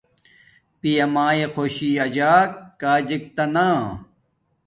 پیامایے خوشی اجک کاجک تا نا